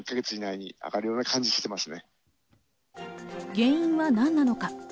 原因は何なのか。